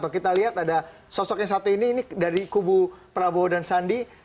atau kita lihat ada sosoknya satu ini ini dari kubu prabowo dan sandi